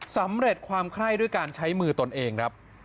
สำเร็จความไข้ด้วยการใช้มือตนเองครับ